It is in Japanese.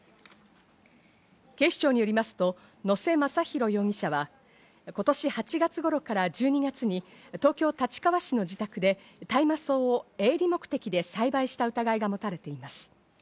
警視庁によりますと野瀬雅大容疑者は、今年８月頃から１２月に東京・立川市の自宅で大麻草を営利目的で栽培した疑いが持たれています。